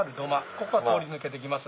ここは通り抜けできます。